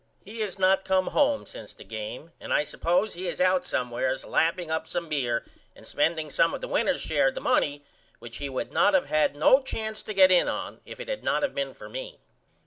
He has not came home since the game and I suppose he is out somewheres lapping up some beer and spending some of the winner's share of the money which he would not of had no chance to get in on if it had not of been for me.